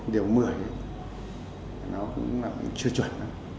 điều một mươi nó cũng là chưa chuẩn